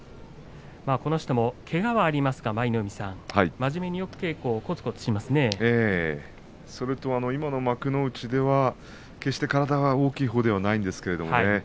この人も、けがはありますが真面目によくそれと今の幕内では決して体が大きいほうではないんですけどね